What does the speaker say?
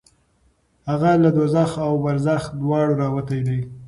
هغه له دوزخ او برزخ دواړو راوتی دی.